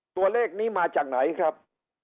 ตัวเลขนี้มาจากไหนครับ